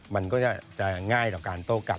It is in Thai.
มันก็จะง่ายต่อการโต้กลับ